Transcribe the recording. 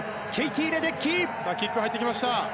キックが入ってきました。